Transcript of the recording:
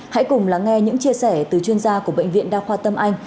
hãy cùng lắng nghe những chia sẻ từ chuyên gia của bệnh viện đa khoa tâm anh